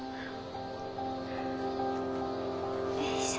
よいしょ。